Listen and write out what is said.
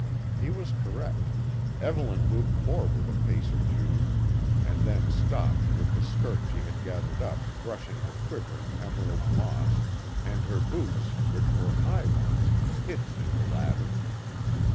He was correct, Evelyn moved forward a pace or two, and then stopped with the skirt she had gathered up brushing the quivering emerald moss, and her boots, which were high ones, hidden in the latter.